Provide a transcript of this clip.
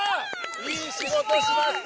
いい仕事しました。